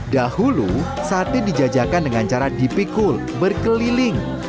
dahulu sate dijajakan dengan cara dipikul berkeliling